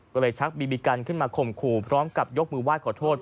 ก็เลยชักบีบีกันขึ้นมาข่มขู่พร้อมกับยกมือไหว้ขอโทษ